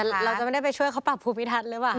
เราจะไม่ได้ไปช่วยเขาปรับภูมิทัศน์หรือเปล่า